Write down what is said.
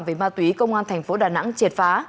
về ma túy công an tp đà nẵng triệt phá